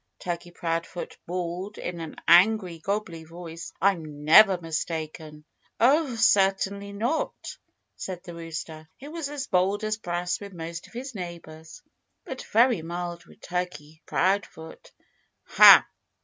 Turkey Proudfoot bawled in an angry, gobbly voice. "I'm never mistaken." "Oh, certainly not!" said the rooster, who was bold as brass with most of his neighbors, but very mild with Turkey Proudfoot. "Ha!"